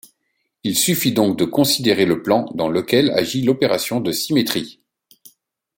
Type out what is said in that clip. Il suffit donc de considérer le plan dans lequel agit l'opération de symétrie.